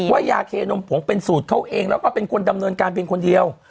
ยาเคนมผงเป็นสูตรเขาเองแล้วก็เป็นคนดำเนินการเพียงคนเดียว